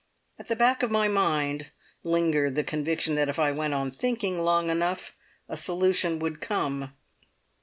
At the back of my mind lingered the conviction that if I went on thinking long enough a solution would come.